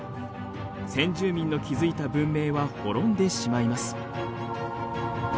先住民の築いた文明は滅んでしまいます。